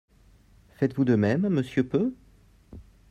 Faites-vous de même, monsieur Peu?